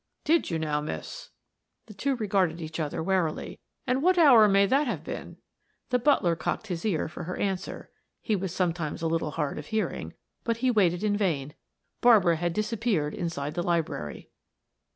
"Did you now, miss?" The two regarded each other warily. "And what hour may that have been?" The butler cocked his ear for her answer he was sometimes a little hard of hearing; but he waited in vain, Barbara had disappeared inside the library.